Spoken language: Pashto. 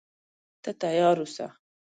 ته تیار اوسه.